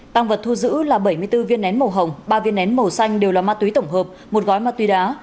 tăng vật thu giữ là bảy mươi bốn viên nén màu hồng ba viên nén màu xanh đều là ma túy tổng hợp một gói ma túy đá